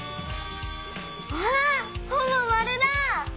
わあほぼまるだ！